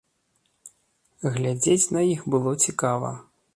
Глядзець на іх было цікава.